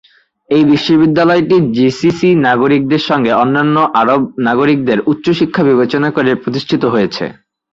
এই বিশ্ববিদ্যালয়টি জিসিসি নাগরিকদের সঙ্গে অন্যান্য আরব নাগরিকদের উচ্চ শিক্ষা বিবেচনা করে প্রতিষ্ঠিত হয়েছে।